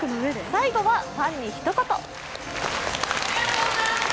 最後はファンにひと言。